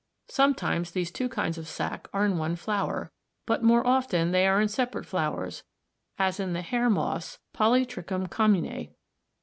Sometimes these two kinds of sac are in one flower, but more often they are in separate flowers, as in the hair moss, Polytrichum commune (a and p, Fig.